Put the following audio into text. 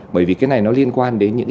bởi vì cái này nó liên quan đến những